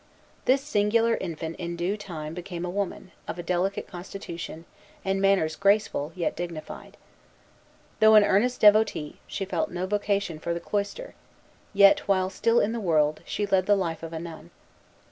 This singular infant in due time became a woman, of a delicate constitution, and manners graceful, yet dignified. Though an earnest devotee, she felt no vocation for the cloister; yet, while still "in the world," she led the life of a nun.